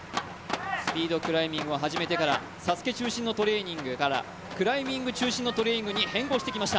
スピードクライミングを初めてから、ＳＡＳＵＫＥ中心のトレーニングからクライミング中心のトレーニングに変更してきました。